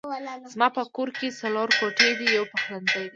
زما په کور کې څلور کوټې دي يو پخلنځی دی